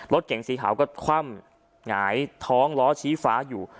รถเก๋งสีขาวก็คว่ำหงายท้องล้อชี้ฟ้าอยู่